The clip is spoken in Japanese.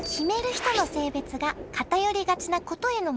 ひとの性別が偏りがちなことへのもやもや。